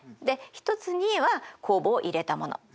で一つには酵母を入れたもの